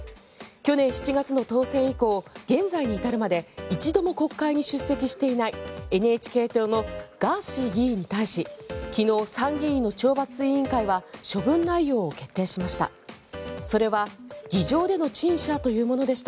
去年７月の当選以降現在に至るまで一度も国会に出席していないＮＨＫ党のガーシー議員に対し昨日、参議院の懲罰委員会は処分内容を決定しました。